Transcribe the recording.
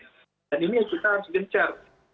dan ini kita harus gencar